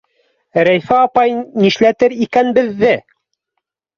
— Рәйфә апай нишләтер икән беҙҙе?!